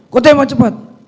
kau tembak cepat